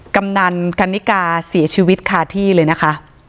กำนันกันนิกาเสียชีวิตคาที่เลยนะคะ